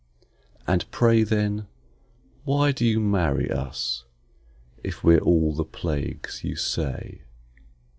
And pray, then, why do you marry us, If we're all the plagues you say?